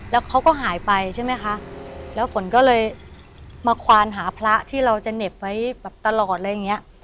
แล้วเขาก็หายไปใช่ไหมคะแล้วฝนก็เลยมาควานหาพระที่เราจะเหน็บไว้แบบตลอดอะไรอย่างเงี้ย